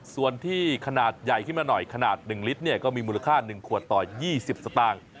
ส่วนที่ขนาดใหญ่ขึ้นมาหน่อยขนาด๑ลิตรก็มีมูลค่า๑ขวดต่อ๒๐สตางค์